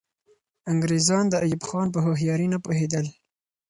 انګریزان د ایوب خان په هوښیاري نه پوهېدل.